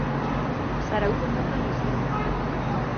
Zarautzen bertan bizi da umetatik.